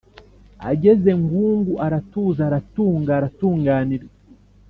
ageze ngungu aratuza aratunga aratunganirwa.